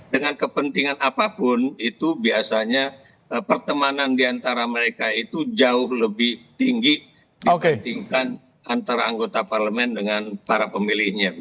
dengan kepentingan apapun itu biasanya pertemanan diantara mereka itu jauh lebih tinggi dibandingkan antara anggota parlemen dengan para pemilihnya